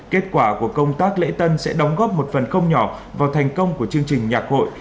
kết quả của công tác lễ tân sẽ đóng góp một phần không nhỏ vào thành công của chương trình nhạc hội